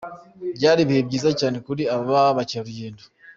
Byari ibihe byiza cyane kuri aba bakerarugendo.